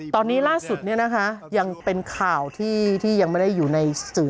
ตอนนี้ล่าสุดยังเป็นข่าวที่ยังไม่ได้อยู่ในสื่อ